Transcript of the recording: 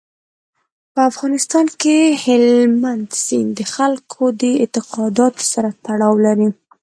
په افغانستان کې هلمند سیند د خلکو د اعتقاداتو سره تړاو لري.